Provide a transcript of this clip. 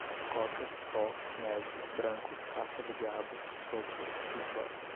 coca, pó, neve, branco, caspa do diabo, sopro, speedball